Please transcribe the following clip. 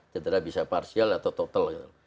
cedera bisa partial atau total gitu loh